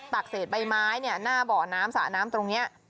เศษใบไม้หน้าบ่อน้ำสระน้ำตรงนี้